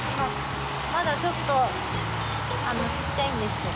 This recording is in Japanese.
まだちょっとちっちゃいんですけど。